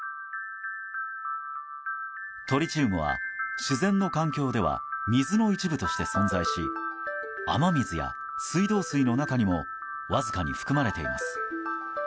トリチウムは、自然の環境では水の一部として存在し雨水や水道水の中にもわずかに含まれています。